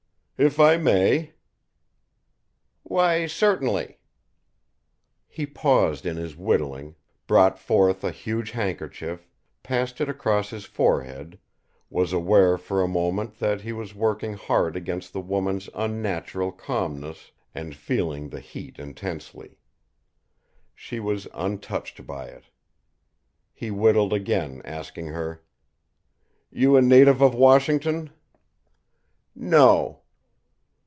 "If I may." "Why, certainly." He paused in his whittling, brought forth a huge handkerchief, passed it across his forehead, was aware for a moment that he was working hard against the woman's unnatural calmness, and feeling the heat intensely. She was untouched by it. He whittled again, asking her: "You a native of Washington?" "No."